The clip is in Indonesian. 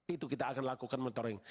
itu kita akan lakukan monitoring